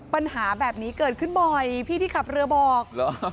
ปัญหาแบบนี้เกิดขึ้นบ่อยพี่ที่ขับเรือบอก